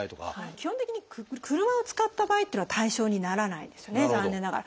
基本的に車を使った場合っていうのは対象にならないですよね残念ながら。